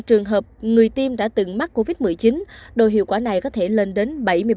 tiêm đã từng mắc covid một mươi chín đồ hiệu quả này có thể lên đến bảy mươi bảy